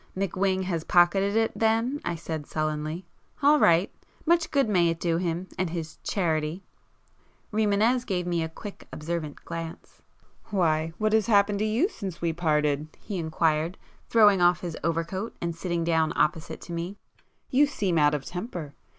"McWhing has pocketed it then,"—I said sullenly—"All right! Much good may it do him, and his 'charity'!" Rimânez gave me a quick observant glance. "Why, what has happened to you since we parted?" he inquired, throwing off his overcoat and sitting down opposite to me—"You seem out of temper!